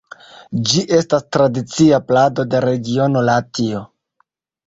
Ĝi estas tradicia plado de regiono Latio.